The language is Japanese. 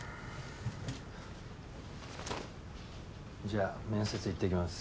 じゃあ面接行ってきます。